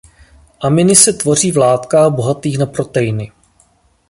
Aminy se tvoří v látkách bohatých na proteiny.